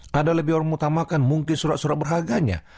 ada orang lebih mengutamakan mungkin surat surat berharganya